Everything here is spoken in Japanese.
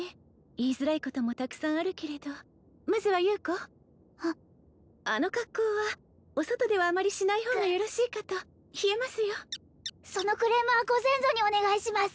言いづらいこともたくさんあるけれどまずは優子あの格好はお外ではあまりしない方がよろしいかと冷えますよそのクレームはご先祖にお願いします